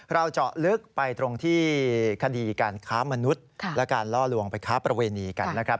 เจาะลึกไปตรงที่คดีการค้ามนุษย์และการล่อลวงไปค้าประเวณีกันนะครับ